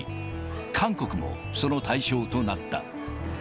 韓国もその対象となった。